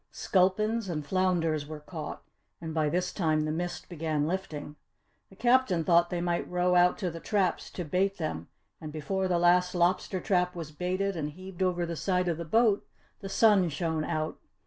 Sculpins and flounders were caught and by this time the mist began lifting. The Captain thought they might row out to the traps to bait them and before the last lobster trap was baited and heaved over the side of the boat, the sun shone out.